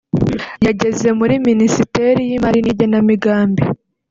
yageze muri Minisiteri y’Imari n’Igenamigambi